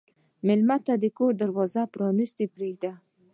مېلمه ته د کور دروازه پرانستې پرېږده.